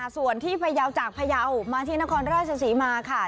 ส่วนที่พยาวจากพยาวมาที่นครราชศรีมาค่ะ